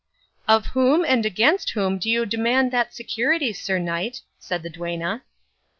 "Of whom and against whom do you demand that security, sir knight?" said the duenna.